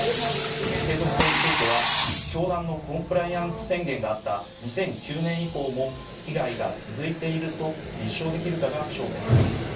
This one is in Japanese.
継続性については教団のコンプライアンス宣言があった２００９年以降も被害が続いていると立証できるかが焦点となります。